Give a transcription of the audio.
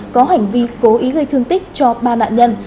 có hành vi cố ý gây thương tích cho ba nạn nhân